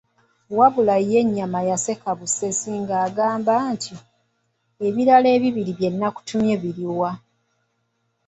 Wabula ye Nyaama yaseka busesi n'agamba nti, ebirala ebibiri bye nakutumye biriwa?